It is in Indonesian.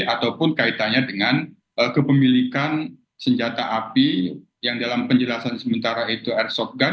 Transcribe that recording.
ataupun kaitannya dengan kepemilikan senjata api yang dalam penjelasan sementara itu airsoft gun